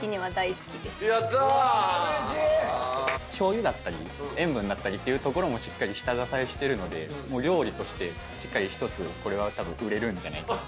醤油だったり塩分だったりっていうところもしっかり下支えしてるので料理としてしっかりひとつこれは多分売れるんじゃないかな。